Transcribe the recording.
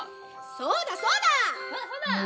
そうだそうだ！